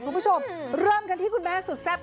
คุณผู้ชมเริ่มกันที่คุณแม่สุดแซ่บ